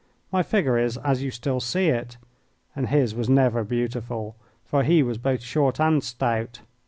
My figure is as you still see it, and his was never beautiful, for he was both short and stout.